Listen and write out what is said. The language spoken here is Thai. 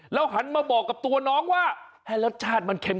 หันมาบอกกับตัวน้องว่าให้รสชาติมันเค็ม